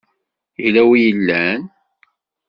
Yella wi i yellan?.